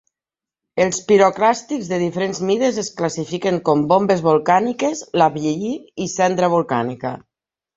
Els piroclàstics de diferents mides es classifiquen com bombes volcàniques, lapilli y cendra volcànica.